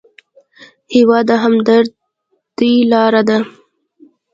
هېواد د همدردۍ لاره ده.